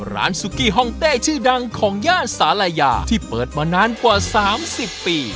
ร้านสุกี้ฮองเต้ชื่อดังของญาติศาลัยาที่เปิดมานานกว่า๓๐ปี